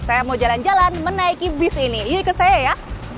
saya mau jalan jalan menaiki bis ini yuk ikut saya ya